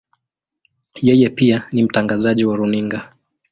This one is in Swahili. Yeye pia ni mtangazaji wa runinga.